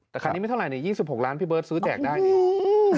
แต่คันนี้ไม่เท่าไหร่๒๖ล้านพี่เบิร์ตซื้อแจกได้นี่